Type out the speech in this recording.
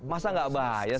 masa gak bahaya sih